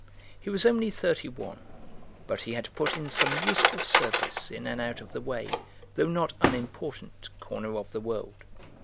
He was only thirty one, but he had put in some useful service in an out of the way, though not unimportant, corner of the world.